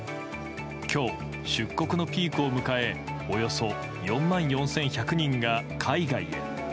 今日、出国のピークを迎えおよそ４万４１００人が海外へ。